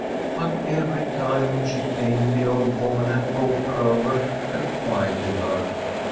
But every time she came the old woman had talked her over and quieted her.